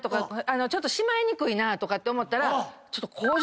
ちょっとしまいにくいなとかって思ったら。